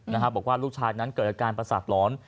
นะครับบอกว่าลูกชายนั้นเกิดการประสาปหลอน